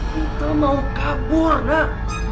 kita mau kabur nak